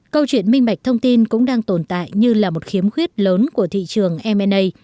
câu chuyện minh bạch thông tin cũng đang tồn tại như là một khiếm khuyết lớn của thị trường mna